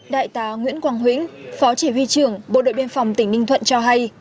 đại tá nguyễn quang vĩnh phó chỉ huy trưởng bộ đội biên phòng tỉnh ninh thuận cho hay